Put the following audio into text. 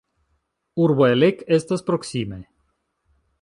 Urbo Elek estas proksime.